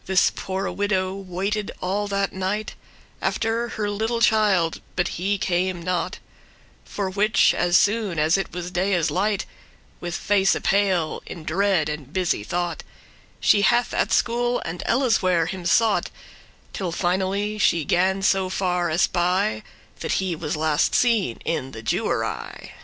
<10> This poore widow waited all that night After her little child, but he came not; For which, as soon as it was daye's light, With face pale, in dread and busy thought, She hath at school and elleswhere him sought, Till finally she gan so far espy, That he was last seen in the Jewery.